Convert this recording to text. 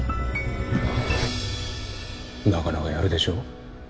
なかなかやるでしょう？